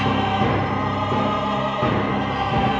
kau tidak bisa menjadi siapa pun selain iblis